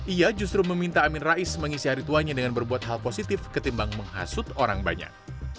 ia justru meminta amin rais mengisi hari tuanya dengan berbuat hal positif ketimbang menghasut orang banyak